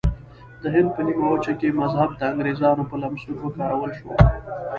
د هند په نیمه وچه کې مذهب د انګریزانو په لمسون وکارول شو.